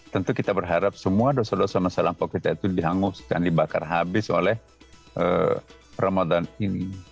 tentu kita berharap semua dosa dosa masa lampau kita itu dihanguskan dibakar habis oleh ramadan ini